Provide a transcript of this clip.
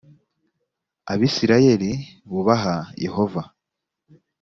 abisirayeli bubaha yehova.